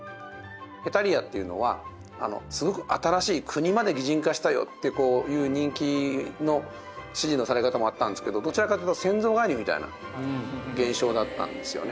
『ヘタリア』っていうのはすごく新しい国まで擬人化したよっていう人気の支持のされ方もあったんですけどどちらかというと先祖返りみたいな現象だったんですよね。